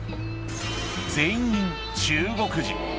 全員、中国人。